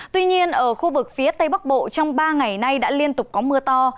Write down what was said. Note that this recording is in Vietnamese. tuy nhiên ở khu vực phía tây bắc bộ trong ba ngày nay đã liên tục có mưa to